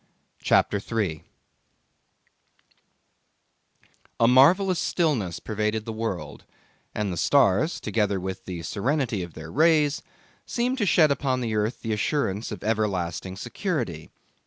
CHAPTER 3 A marvellous stillness pervaded the world, and the stars, together with the serenity of their rays, seemed to shed upon the earth the assurance of everlasting security.